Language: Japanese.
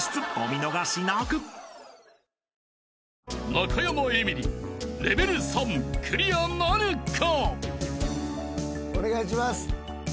［中山エミリレベル３クリアなるか！？］